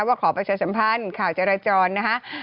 ว่าขอบัจจีะสัมพันธ์ข่าวจรจรนะครับ